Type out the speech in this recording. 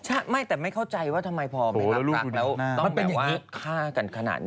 ใช่ไม่แต่ไม่เข้าใจว่าทำไมพอไม่รับรักแล้วต้องเป็นอย่างนี้ฆ่ากันขนาดนี้